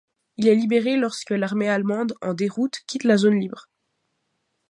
Il est libéré lorsque l'armée allemande en déroute quitte la zone libre.